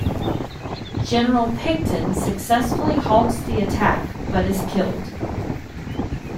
General Picton successfully halts the attack but is killed.